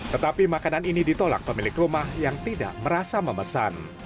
tetapi makanan ini ditolak pemilik rumah yang tidak merasa memesan